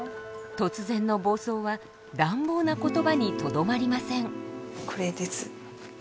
突然の暴走は乱暴な言葉にとどまりません。